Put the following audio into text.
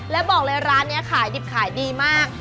แล้วบอกเลยร้านนี้ขายดิบขายดีมาก